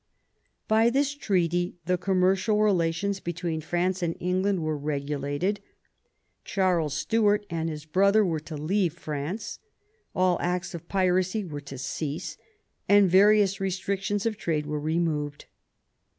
By this treaty the commercial re lations between France and England were regulated. Charles Stuart and his brother were to leave France, all acts of piracy were to cease, and various restrictions on trade were removed.